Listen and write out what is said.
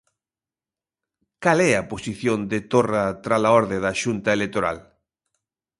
Cal é a posición de Torra trala orde da Xunta Electoral.